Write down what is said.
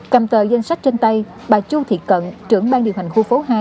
cầm tờ danh sách trên tay bà chu thị cận trưởng ban điều hành khu phố hai